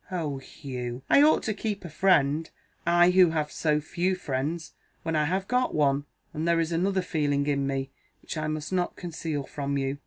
Oh, Hugh, I ought to keep a friend I who have so few friends when I have got one! And there is another feeling in me which I must not conceal from you.